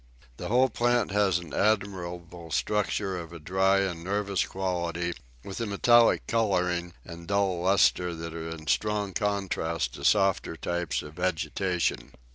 The whole plant has an admirable structure of a dry and nervous quality, with a metallic colouring and dull lustre that are in strong contrast to softer types of vegetation.